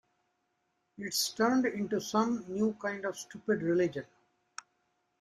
It's turned into some new kind of stupid religion...